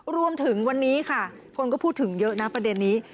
รวมถึงวันนี้ค่ะคนก็พูดถึงเยอะนะประเด็นนี้